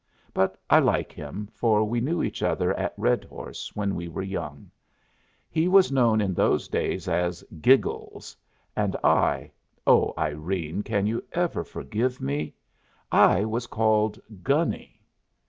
But I like him, for we knew each other at Redhorse when we were young. He was known in those days as "Giggles," and I O Irene, can you ever forgive me? I was called "Gunny."